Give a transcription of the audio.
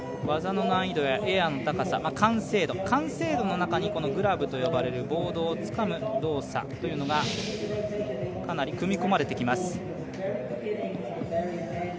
技の難易度やエアの高さ完成度完成度の中にグラブと呼ばれるボードをつかむ動作がかなり組み込まれてきます。